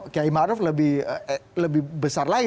karena km arief lebih besar lagi